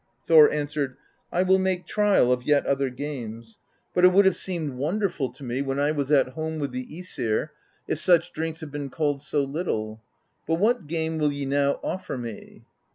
Thor answered: 'I will make trial of yet other games; but it would have THE BEGUILING OF GYLFI 65 seemed wonderful to me, when I was at home with the iEsir, if such drinks had been called so little. But what game will ye now offer me?'